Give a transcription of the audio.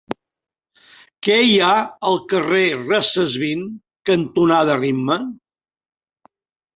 Què hi ha al carrer Recesvint cantonada Ritme?